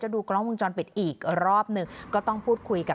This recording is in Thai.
ดูกล้องวงจรปิดอีกรอบหนึ่งก็ต้องพูดคุยกัน